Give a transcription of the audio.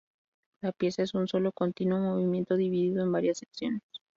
La pieza es un solo continuo movimiento dividido en varias secciones.